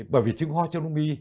bởi vì chứng ho cho đông nghi